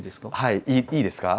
いいですか？